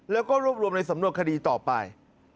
แล้วก็รวบรวมในสำนวนคดีต่อไป